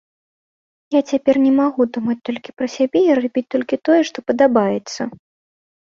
Я цяпер не магу думаць толькі пра сябе і рабіць толькі тое, што падабаецца.